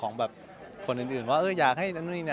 ของแบบคนอื่นก็อยากให้ในนุ่มนี้นะ